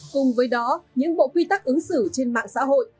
cùng với đó những bộ quy tắc ứng xử trên mạng xã hội